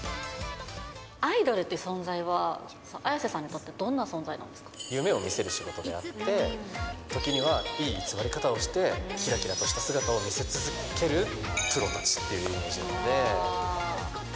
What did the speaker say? アイドルっていう存在は、Ａｙａｓｅさんにとってどんな存在なん夢を見せる仕事であって、時にはいい偽り方をして、きらきらとした姿を見せ続けるプロたちっていう感じですかね。